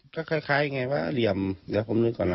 ก็คล้ายไงว่าเหลี่ยมเดี๋ยวผมนึกก่อนนะ